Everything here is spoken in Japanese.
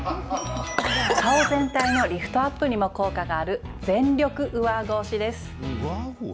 顔全体のリフトアップにも効果がある、全力上あご押しです。